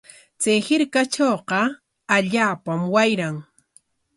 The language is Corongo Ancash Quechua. Chay hirkatrawqa allaapam wayran.